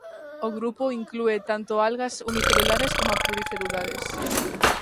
O grupo inclúe tanto algas unicelulares coma pluricelulares.